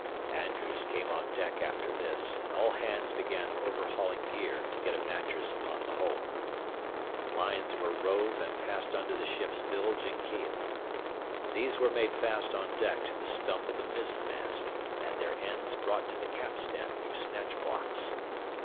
Andrews came on deck after this, and all hands began overhauling gear to get a mattress upon the hole. Lines were rove and passed under the ship's bilge and keel. These were made fast on deck to the stump of the mizzen mast, and their ends brought to the capstan through snatch blocks.